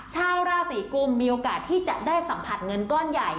ชาวราศีกุมมีโอกาสที่จะได้สัมผัสเงินก้อนใหญ่